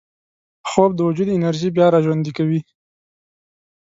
خوب د وجود انرژي بیا راژوندي کوي